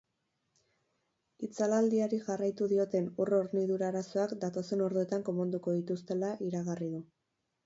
Itzalaldiari jarraitu dioten ur hornidura arazoak datozen orduetan konponduko dituztela iragarri du.